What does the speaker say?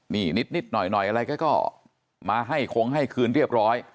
นี่นิดหน่อยอะไรก็มาให้คงให้คืนเรียบร้อย